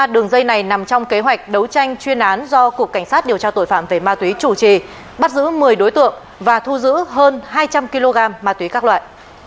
đường dây này nằm trong kế hoạch đấu tranh chuyên án do cục cảnh sát điều tra tội phạm về ma túy chủ trì bắt giữ một mươi đối tượng và thu giữ hơn hai trăm linh kg ma túy các loại